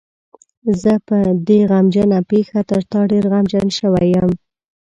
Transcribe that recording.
زه په دې غمجنه پېښه تر تا ډېر غمجن شوی یم.